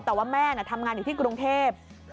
แต่ว่าแม่ทำงานอยู่ที่กรุงเทพ